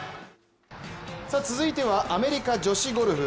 続いてはアメリカ女子ゴルフ。